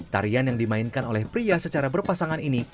tarian yang dimainkan oleh pria secara berpasangan ini